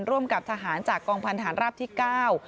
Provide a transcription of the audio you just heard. ร่วมกับทหารจากกองพันธานราบที่เก้า